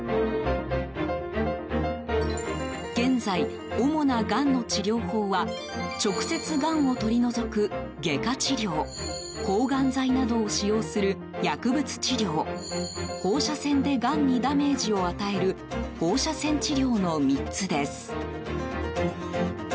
現在、主ながんの治療法は直接がんを取り除く、外科治療抗がん剤などを使用する薬物治療放射線でがんにダメージを与える放射線治療の３つです。